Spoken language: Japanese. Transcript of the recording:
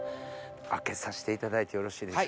開けさしていただいてよろしいでしょうか。